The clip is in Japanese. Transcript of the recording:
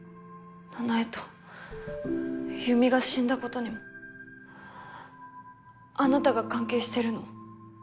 奈々江と優美が死んだ事にもあなたが関係してるの？